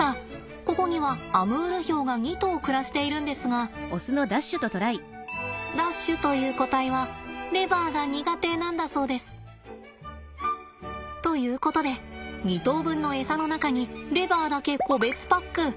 ここにはアムールヒョウが２頭暮らしているんですがダッシュという個体はレバーが苦手なんだそうです。ということで２頭分のエサの中にレバーだけ個別パック。